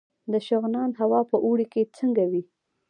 د شغنان هوا په اوړي کې څنګه وي؟